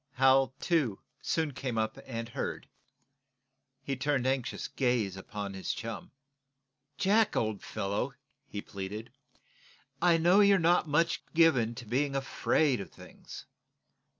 Hal, too, soon came up and heard. He turned anxious gaze upon his chum. "Jack, old fellow," he pleaded, "I know you're not much given to being afraid of things.